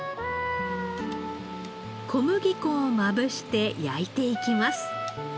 小麦粉をまぶして焼いていきます。